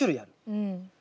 うん。